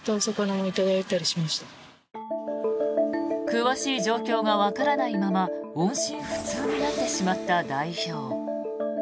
詳しい状況がわからないまま音信不通になってしまった代表。